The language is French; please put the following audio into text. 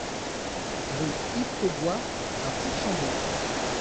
Rue Yves Cogoi à Fourchambault